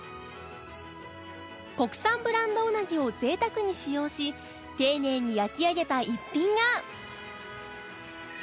国産ブランドうなぎを贅沢に使用し丁寧に焼き上げた一品が